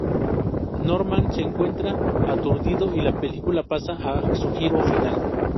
Norman se encuentra aturdido y la película pasa a su giro final.